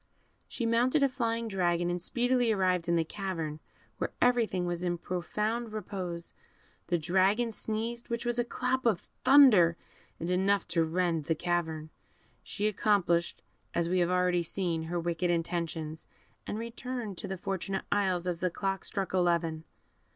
She mounted a flying dragon, and speedily arrived in the cavern, where everything was in profound repose; the dragon sneezed, which was like a clap of thunder, and enough to rend the cavern. She accomplished, as we have already seen, her wicked intentions, and returned to the Fortunate Isles as the clock struck eleven.